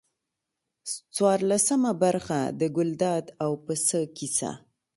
څوارلسمه برخه د ګلداد او پسه کیسه.